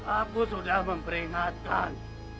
aku sudah memperingatkan